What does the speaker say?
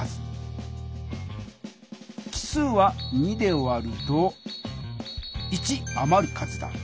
奇数は２で割ると１あまる数だ。